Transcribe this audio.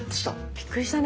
びっくりしたね！